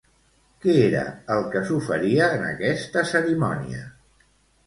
Què era el que s'oferia en aquesta cerimònia?